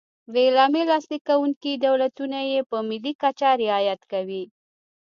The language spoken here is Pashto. د اعلامیې لاسلیک کوونکي دولتونه یې په ملي کچه رعایت کوي.